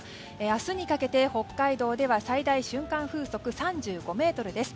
明日にかけて北海道では最大瞬間風速３５メートルです。